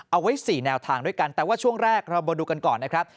เอาไว้๔แนวทางด้วยกันแต่ว่าช่วงแรกเรามาดูกันก่อนนะครับ